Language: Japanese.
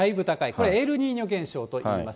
これ、エルニーニョ現象といってます。